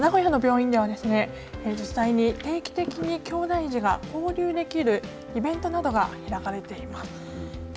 名古屋の病院ではですね、実際に定期的にきょうだい児が交流できるイベントなどが開かれています。